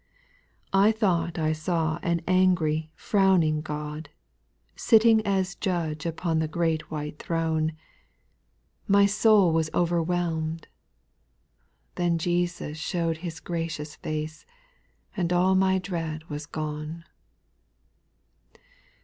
8. I thought I saw an angry, frowning God, Sitting as Judge upon the great white throne ; SPIRITUAL 80N0S. 6*7 My soul was overwhelmed — then Jesus shew'd His gracious face, and all my dread was gone.